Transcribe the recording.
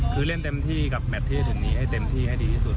คือเล่นเต็มที่กับแมทที่จะถึงนี้ให้เต็มที่ให้ดีที่สุด